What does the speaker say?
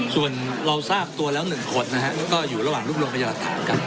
ส่วนเราทราบตัวแล้วหนึ่งคนนะฮะก็อยู่ระหว่างรูปรวงประหยาศาสตร์กัน